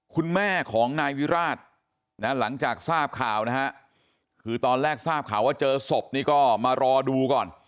คุณแม่ของนายวิราชนะหลังจากทราบข่าวนะฮะคือตอนแรกทราบข่าวว่าเจอศพนี่ก็มารอดูก่อน